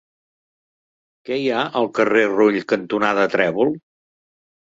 Què hi ha al carrer Rull cantonada Trèvol?